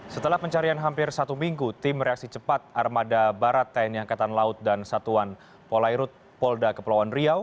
setelah pencarian hampir satu minggu tim reaksi cepat armada barat tni angkatan laut dan satuan polairut polda kepulauan riau